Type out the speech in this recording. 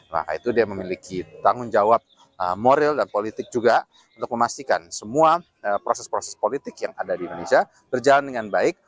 nah itu dia memiliki tanggung jawab moral dan politik juga untuk memastikan semua proses proses politik yang ada di indonesia berjalan dengan baik